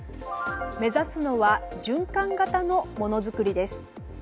目指すのは循環型のものづくりです。